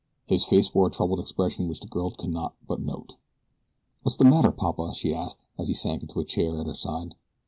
His face wore a troubled expression which the girl could not but note. "What's the matter, Papa?" she asked, as he sank into a chair at her side.